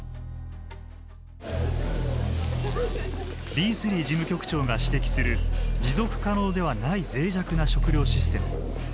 ビーズリー事務局長が指摘する持続可能ではない脆弱な食料システム。